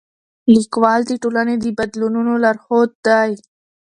لیکوال د ټولنې د بدلونونو لارښود دی.